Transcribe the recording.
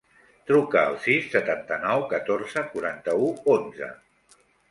Truca al sis, setanta-nou, catorze, quaranta-u, onze.